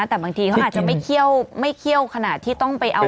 แต่บางทีเขาอาจจะไม่เคี่ยวไม่เคี่ยวขนาดที่ต้องไปเอา